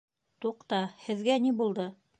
Туҡта, һеҙгә ни булды?